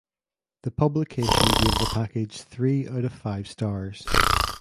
The publication gave the package three out of five stars.